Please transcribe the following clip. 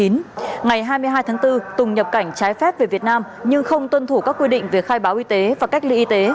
ngày hai mươi hai tháng bốn tùng nhập cảnh trái phép về việt nam nhưng không tuân thủ các quy định về khai báo y tế và cách ly y tế